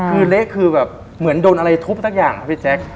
คือเละคือแบบเหมือนโดนอะไรทุบสักอย่างครับพี่แจ๊ค